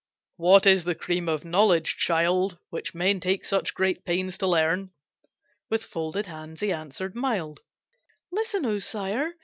"What is the cream of knowledge, child, Which men take such great pains to learn?" With folded hands he answered mild: "Listen, O Sire!